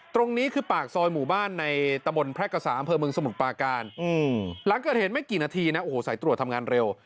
ตรงนี้คือปากซอยหมู่บ้านในตะบนแพร่กษาอำเภอเมืองสมุทรปาการหลังเกิดเหตุไม่กี่นาทีนะโอ้โหสายตรวจทำงานเร็ว